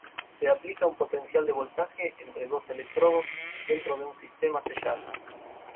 Se aplica un potencial de voltaje entre dos electrodos dentro de un sistema sellado.